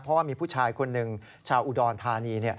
เพราะว่ามีผู้ชายคนหนึ่งชาวอุดรธานี